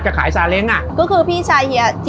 จ่ายค่าเซงรถเขาไหม